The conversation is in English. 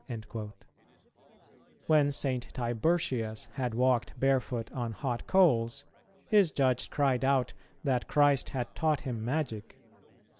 "[229:7] When St. Tiburtius had walked barefoot on hot coals, his judge cried out that Christ had taught him magic.